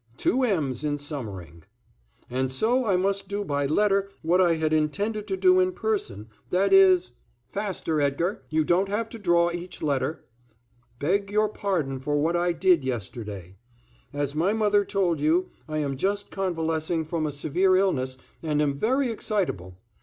Two m's in Summering. And so I must do by letter what I had intended to do in person, that is faster, Edgar, you don't have to draw each letter beg your pardon for what I did yesterday. As my mother told you, I am just convalescing from a severe illness and am very excitable.